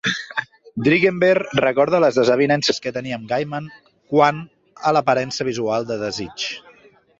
Dringenberg recorda les desavinences que tenia amb Gaiman quant a l'aparença visual de Desig.